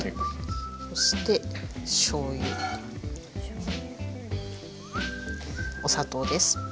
そしてしょうゆお砂糖です。